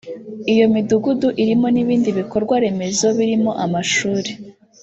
Iyo midugudu irimo n’ibindi bikorwa remezo birimo amashuri